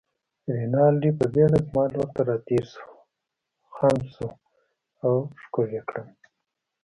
رینالډي په بېړه زما لور ته راتېر شو، خم شو او ښکل يې کړم.